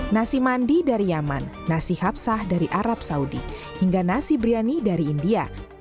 nasi mandi dari yaman nasi hapsah dari arab saudi hingga nasi biryani dari india